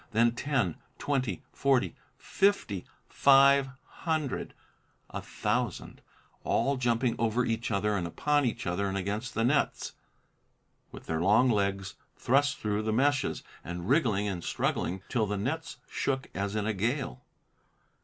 Then ten, twenty, forty, fifty, five hundred, a thousand, all jumping over each other and upon each other, and against the nets, with their long legs thrust through the meshes, and wriggling and struggling till the nets shook as in a gale.